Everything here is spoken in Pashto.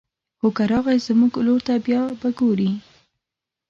خو که راغی زموږ لور ته بيا به ګوري